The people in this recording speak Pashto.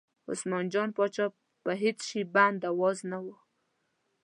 عثمان جان پاچا په هېڅ شي بند او واز نه و.